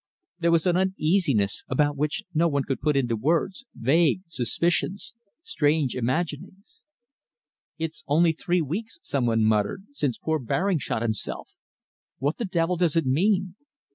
There was an uneasiness about which no one could put into words, vague suspicions, strange imaginings. "It's only three weeks," some one muttered, "since poor Baring shot himself! What the devil does it mean?